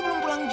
ya ampun tante